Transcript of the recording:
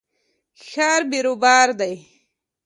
ښار بیروبار ده